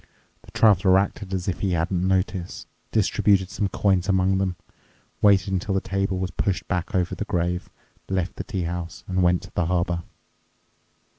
The Traveler acted as if he hadn't noticed, distributed some coins among them, waited until the table was pushed back over the grave, left the tea house, and went to the harbour.